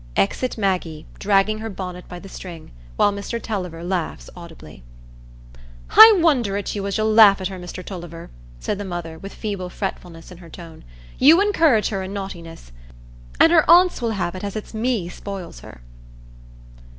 Exit Maggie, dragging her bonnet by the string, while Mr Tulliver laughs audibly. "I wonder at you, as you'll laugh at her, Mr Tulliver," said the mother, with feeble fretfulness in her tone. "You encourage her i' naughtiness. An' her aunts will have it as it's me spoils her."